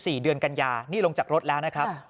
วันที่๒๔เดือนกันยานี่ลงจากรถแล้วนะครับ